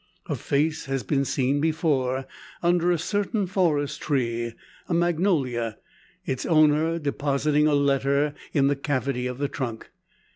Her face has been seen before, under a certain forest tree a magnolia its owner depositing a letter in the cavity of the trunk.